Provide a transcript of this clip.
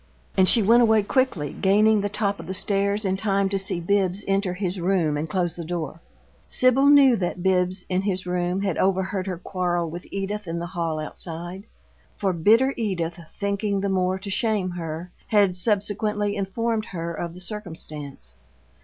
And she went away quickly, gaining the top of the stairs in time to see Bibbs enter his room and close the door. Sibyl knew that Bibbs, in his room, had overheard her quarrel with Edith in the hall outside; for bitter Edith, thinking the more to shame her, had subsequently informed her of the circumstance.